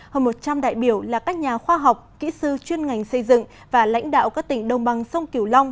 hơn một trăm linh đại biểu là các nhà khoa học kỹ sư chuyên ngành xây dựng và lãnh đạo các tỉnh đồng bằng sông kiều long